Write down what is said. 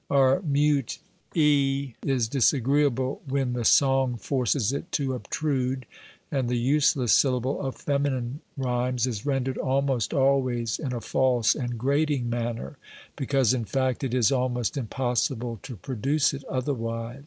Our mute e is disagreeable when the song forces it to obtrude, and the useless syllable of feminine rhymes is rendered almost always in a false and grating manner, because, in fact, it is almost impossible to produce it otherwise.